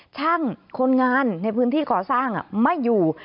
ช่างคนงานในพื้นที่ก่อสร้างไม่อยู่